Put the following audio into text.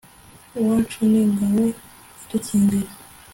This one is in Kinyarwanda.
wacu n ingabo idukingira